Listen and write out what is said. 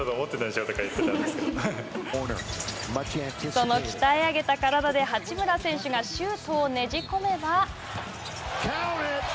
その鍛え上げた体で八村選手がシュートをねじ込めば。